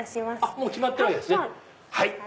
もう決まってるわけですね。